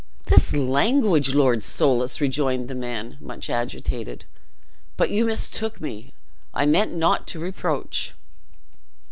"This language, Lord Soulis!" rejoined the man, much agitated; "but you mistook me I meant not to reproach."